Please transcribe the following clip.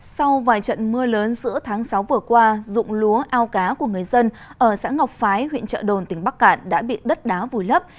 sau vài trận mưa lớn giữa tháng sáu vừa qua dụng lúa ao cá của người dân ở xã ngọc phái huyện trợ đồn tỉnh bắc cạn đã bị đất đá vùi lấp